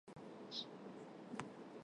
Դատապարտուած է ցմահ բանտարկութեան։